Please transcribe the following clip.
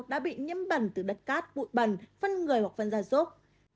đã bị nhiễm bẩn từ đất cát bụi bẩn phân người hoặc phân gia dốc